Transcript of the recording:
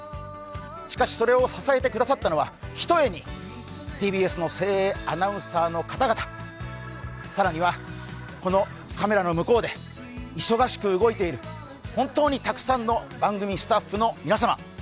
しかしそれを支えてくださったのは、ひとえにＴＢＳの精鋭アナウンサーの方々、更には、このカメラの向こうで忙しく動いている本当にたくさんの番組スタッフの皆様。